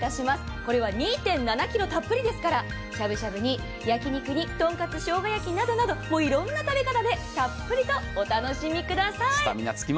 これは２．７ｋｇたっぷりですからしゃぶしゃぶに焼き肉に、とんかつしょうが焼きなど、いろんな食べ方でたっぷりとお楽しみください。